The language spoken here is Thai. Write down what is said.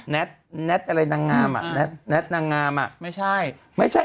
แน็ตแน็ตอะไรนางงามอะแน็ตแน็ตนางงามอะไม่ใช่